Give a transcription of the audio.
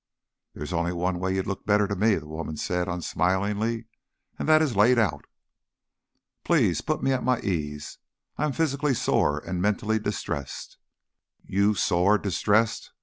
"There's only one way you'd look better to me," the woman said, unsmilingly, "and that is laid out." "Please put me at my ease. I am physically sore and mentally distressed." "You sore, distressed!